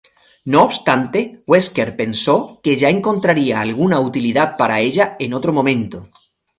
No obstante, Wesker pensó que ya encontraría alguna utilidad para ella en otro momento.